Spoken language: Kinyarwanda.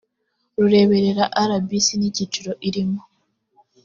rureberera rbc n icyiciro irimo